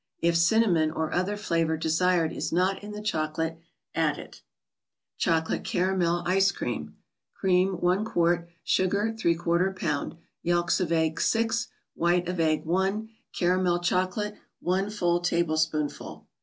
If cinnamon, or other flavor desired, is not in the chocolate, add it. Chocolate Caramel 3ce*Cream. Cream, 1 qt.; Sugar. 2 4 lb.; Yelks of eggs, 6; White of egg, 1; Caramel chocolate, 1 full tablespoonful.